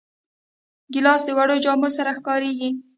ګیلاس د وړو جامو سره ښکارېږي.